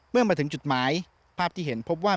เมื่อมาถึงจุดหมายภาพที่เห็นพบว่า